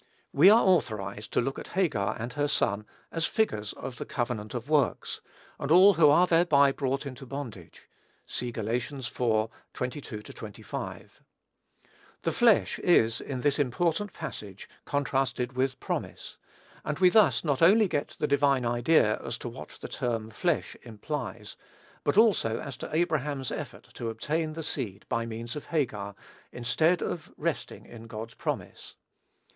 We are authorized to look at Hagar and her son, as figures of the covenant of works, and all who are thereby brought into bondage. (See Gal. iv. 22 25.) "The flesh" is, in this important passage, contrasted with "promise;" and thus we not only get the divine idea as to what the term "flesh" implies, but also as to Abraham's effort to obtain the seed by means of Hagar, instead of resting in God's "promise."